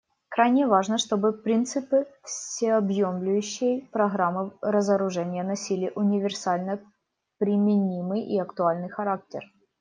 Крайне важно, чтобы принципы всеобъемлющей программы разоружения носили универсально применимый и актуальный характер.